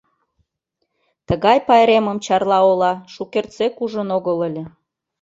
ТЫГАЙ ПАЙРЕМЫМ ЧАРЛА ОЛА ШУКЕРТСЕК УЖЫН ОГЫЛ ЫЛЕ